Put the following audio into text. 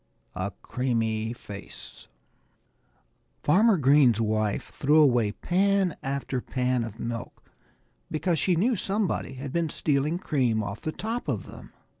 X A CREAMY FACE FARMER GREEN'S wife threw away pan after pan of milk, because she knew somebody had been stealing cream off the top of them.